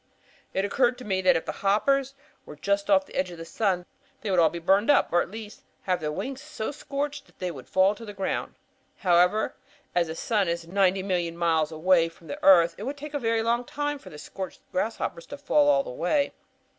It occurred to me that if the hoppers were just off the edge of the sun, they would all be burned up, or at least have their wings so scorched that they would fall to the ground. However, as the sun is 90,000,000 miles away from the earth, it would take a very long time for the scorched grasshoppers to fall all the way.